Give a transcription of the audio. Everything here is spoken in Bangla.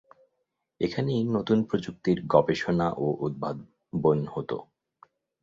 এখানেই নতুন প্রযুক্তির গবেষণা ও উদ্ভাবন হতো।